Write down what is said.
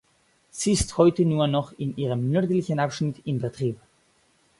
Sie ist heute nur noch in ihrem nördlichen Abschnitt in Betrieb.